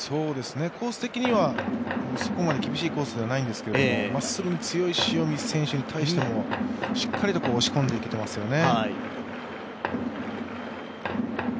コース的にはそこまで厳しいコースではないんですけれども、まっすぐに強い塩見選手もしっかりと押し込んでいけていますよね。